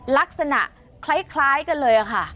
ลักษณะคล้ายกันเลยค่ะ